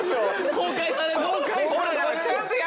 公開されるの？